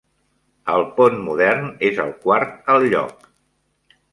El pont modern és el quart al lloc.